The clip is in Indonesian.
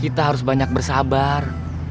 kita harus banyak bersabar